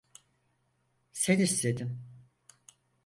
Sen istedin.